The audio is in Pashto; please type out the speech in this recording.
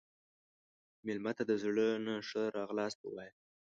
مېلمه ته د زړه نه ښه راغلاست ووایه.